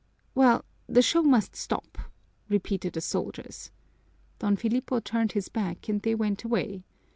"Well, the show must stop!" repeated the soldiers. Don Filipo turned his back and they went away.